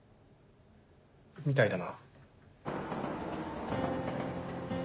みたいだな。